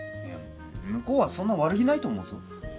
いや向こうはそんな悪気ないと思うぞ。